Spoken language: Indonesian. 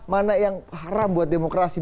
mana yang haram buat demokrasi